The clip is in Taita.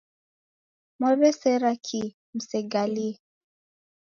Mwaw'ew'esera kii musegalie?